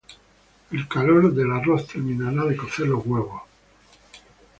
El calor del arroz terminará de cocer los huevos.